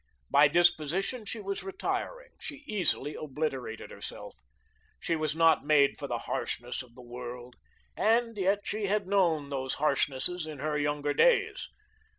By disposition she was retiring; she easily obliterated herself. She was not made for the harshness of the world, and yet she had known these harshnesses in her younger days.